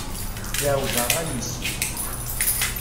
Yeɛwej rray-is.